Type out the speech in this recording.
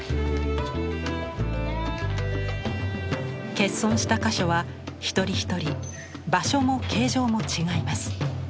欠損した箇所は一人一人場所も形状も違います。